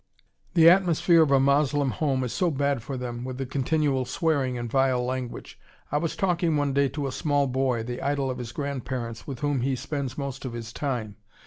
The atmosphere of a Moslem home is so bad for them, with the continual swearing and vile language. I was talking one day to a small boy, the idol of his grandparents, with whom he spends most of his time.